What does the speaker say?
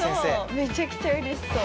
めちゃくちゃうれしそう。